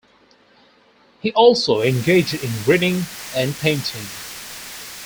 He also engaged in reading and painting.